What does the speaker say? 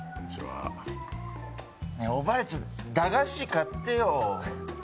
おばあちゃん、駄菓子買ってよ。